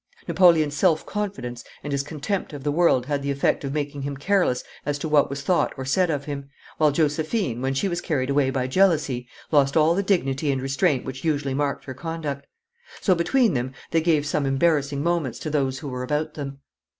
Napoleon's self confidence and his contempt of the world had the effect of making him careless as to what was thought or said of him, while Josephine, when she was carried away by jealousy, lost all the dignity and restraint which usually marked her conduct; so between them they gave some embarrassing moments to those who were about them.